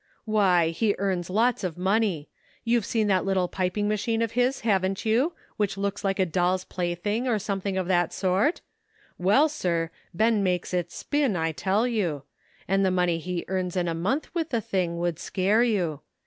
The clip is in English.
"Why, he earns lots of money. You've seen that little piping machine of his, haven't you, which looks like a doll's plaything, or something of that sort? Well, sir, Ben makes it spin, I tell you ! And the money he earns in a month with the thing would scare you.